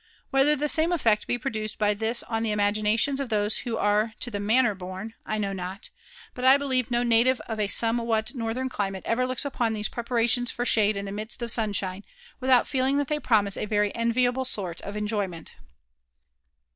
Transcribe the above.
Wbethor the saaM affisel bo produood by 4b V <n) Uio w WM^ii^ ^f IbsiO who are to ^4bo Its UPE AND ADVENTURES OF ner born/' I know not ; but I believe no native of a jsomewhat north ern climate ever looks upon these preparations for shade in the midst of sunshine, without feeling that they promise a very enviable sort of enjoyment.